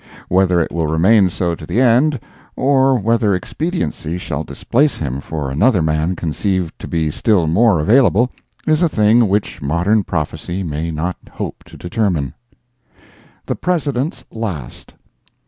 Whether it will remain so to the end, or whether expediency shall displace him for another man conceived to be still more available, is a thing which modern prophecy may not hope to determine. The President's Last.